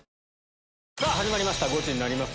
さぁ始まりました「ゴチになります！」